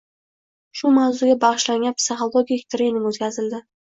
Shu mavzusiga bagʻishlangan psixologik trening oʻtkazildi.